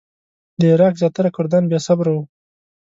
د عراق زیاتره کردان بې صبره وو.